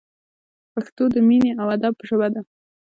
پښتو د مینې او ادب ژبه ده!